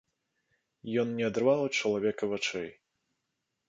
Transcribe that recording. Ён не адрываў ад чалавека вачэй.